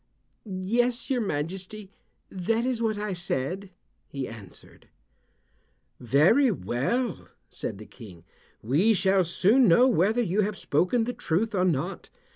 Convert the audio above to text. "Yes, your majesty, that is what I said," he answered. "Very well," said the King. "We shall soon know whether you have spoken the truth or not.